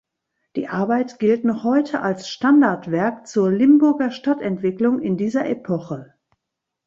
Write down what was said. Die Arbeit gilt noch heute als Standardwerk zur Limburger Stadtentwicklung in dieser Epoche.